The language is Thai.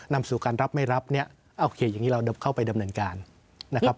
นำสู่การรับไม่รับเนี่ยโอเคอย่างนี้เราเข้าไปดำเนินการนะครับ